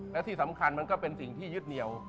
และที่สำคัญมันก็เป็นสิ่งที่ยึดเหนียว